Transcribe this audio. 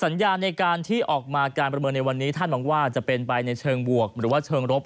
สัญญาในการที่ออกมาการประเมินในวันนี้ท่านหวังว่าจะเป็นไปในเชิงบวกหรือว่าเชิงรบ